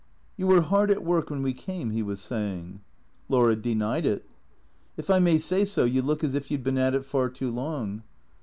" You were hard at work when we came/' he was saying. Laura denied it. " If I may say so, you look as if you 'd been at it far too long."